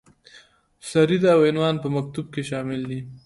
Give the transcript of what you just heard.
سریزه او عنوان په مکتوب کې شامل دي.